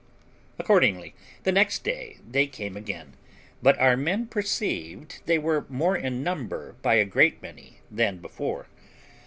Accordingly the next day they came again, but our men perceived they were more in number by a great many than before.